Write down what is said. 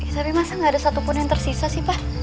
tapi masa nggak ada satupun yang tersisa sih pak